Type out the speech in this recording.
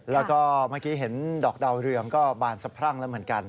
แล้วก็เมื่อกี้เห็นดอกดาวเรืองก็บานสะพรั่งแล้วเหมือนกัน